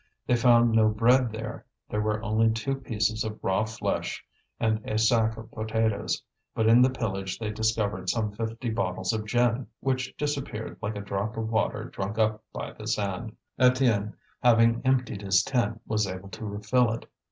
They found no bread there; there were only two pieces of raw flesh and a sack of potatoes. But in the pillage they discovered some fifty bottles of gin, which disappeared like a drop of water drunk up by the sand. Étienne, having emptied his tin, was able to refill it.